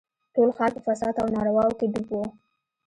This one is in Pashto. ټول ښار په فساد او نارواوو کښې ډوب و.